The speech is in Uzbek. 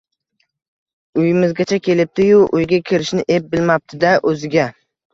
Uyimizgacha kelibdi-yu, uyga kirishni ep bilmabdi-da o`ziga